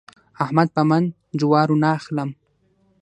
احمد په من جوارو نه اخلم.